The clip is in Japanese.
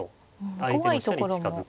相手の飛車に近づく。